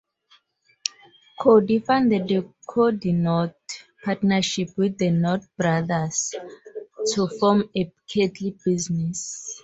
Cody founded the Cody-North Partnership with the North brothers to form a cattle business.